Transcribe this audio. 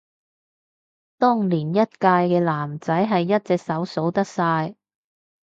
當年一屆嘅男仔係一隻手數得晒